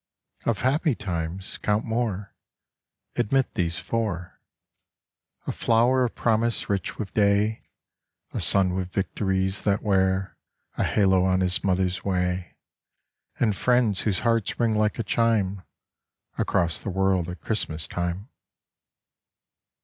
Of happy times count more, Admit these four: A flower of promise rich with day, A son with victories that wear A halo on his mother's way: And friends whose hearts ring like a chime Across the world at Christmas time.